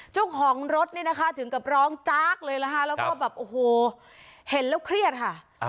เจ้าของรถนี่นะคะถึงกับร้องจากเลยนะคะแล้วก็แบบโอ้โหเห็นแล้วเครียดค่ะ